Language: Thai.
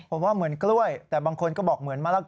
ผมว่าเหมือนกล้วยแต่บางคนก็บอกเหมือนมะละก